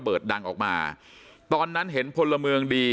ดังออกมาตอนนั้นเห็นพลเมืองดี